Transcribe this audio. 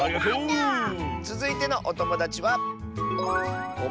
つづいてのおともだちは。